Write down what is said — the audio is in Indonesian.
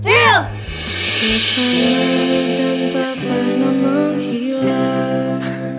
tidak pernah menghilang